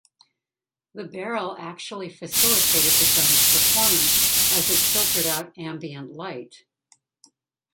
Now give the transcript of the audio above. The barrel actually facilitated the gun's performance as it filtered out ambient light.